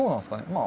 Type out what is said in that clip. まあ。